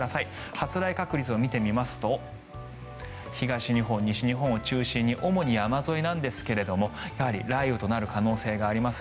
発雷確率を見てみますと東日本、西日本を中心に主に山沿いなんですが雷雨となる可能性があります。